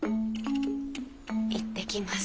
「いってきます」